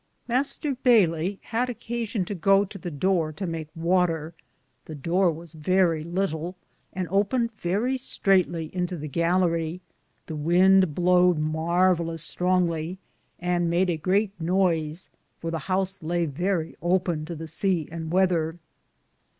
Mr. Bay lye had occasion to goe to the dore to make water, the dore was verrie litle, and opened very straitly into the gallarie, the wynde blowed mar valus strongly, and made a greate noyse, for the house lay verrie open to the sea and wether.